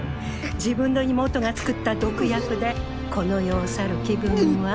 自分の妹が作った毒薬でこの世を去る気分は？